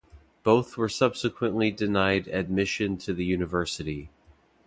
Both were subsequently denied admission to the university.